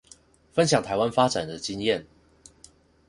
分享臺灣發展的經驗